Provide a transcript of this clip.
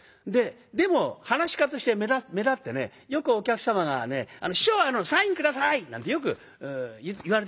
でも噺家として目立ってねよくお客様がね「師匠サイン下さい」なんてよく言われてましたよ。